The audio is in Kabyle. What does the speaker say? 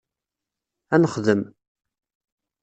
Ad nexdem.